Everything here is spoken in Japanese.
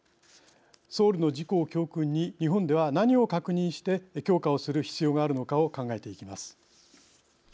ソウルの事故を教訓に日本では何を確認して評価をする必要があるのかを考えていきます。